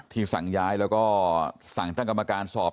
สั่งย้ายแล้วก็สั่งตั้งกรรมการสอบ